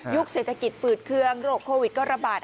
เศรษฐกิจฝืดเคืองโรคโควิดก็ระบาด